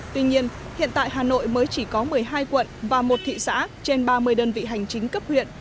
tuy nhiên hiện tại hà nội mới chỉ có một mươi hai quận và một thị xã trên ba mươi đơn vị hành chính cấp huyện